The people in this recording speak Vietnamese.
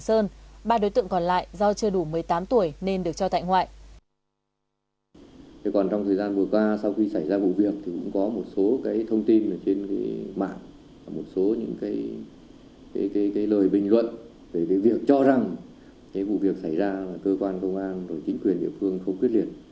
và trong thời gian vừa qua sau khi xảy ra vụ việc thì cũng có một số thông tin trên mạng một số lời bình luận về việc cho rằng vụ việc xảy ra là cơ quan công an và chính quyền địa phương không quyết liệt